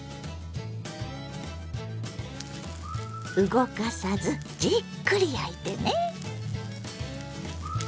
動かさずじっくり焼いてね。